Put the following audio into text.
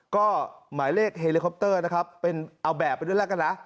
ก็หมายเลขเฮลิคอปเตอร์นะครับเป็นเอาแบบไปด้วยแล้วกันนะ